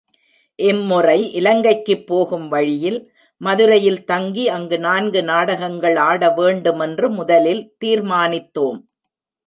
இம்முறை இலங்கைக்குப் போகும் வழியில் மதுரையில் தங்கி, அங்கு நான்கு நாடகங்கள் ஆட வேண்டுமென்று முதலில் தீர்மானித்தோம்.